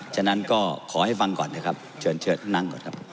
ฉะนั้นก็ขอให้ฟังก่อนนะครับเชิญเชิญนั่งก่อนครับ